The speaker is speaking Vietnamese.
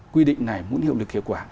quy định này muốn hiệu lực hiệu quả